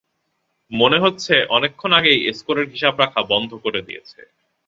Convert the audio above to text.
মনে হচ্ছে অনেকক্ষণ আগেই স্কোরের হিসাব রাখা বন্ধ করে দিয়েছে।